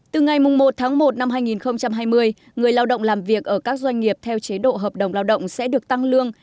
từ ngày một tháng một năm hai nghìn hai mươi người lao động làm việc ở các doanh nghiệp theo chế độ hợp đồng lao động sẽ được tăng lương